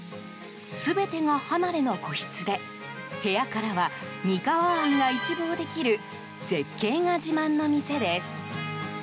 全てが離れの個室で部屋からは三河湾が一望できる絶景が自慢の店です。